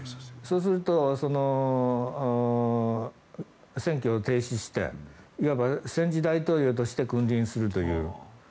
そうすると、選挙を停止していわば戦時大統領として君臨するという。